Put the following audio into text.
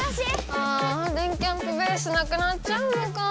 ああ電キャんぷベースなくなっちゃうのかぁ。